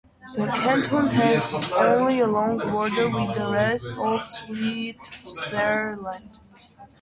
The canton has only a long border with the rest of Switzerland.